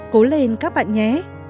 cố lên các bạn nhé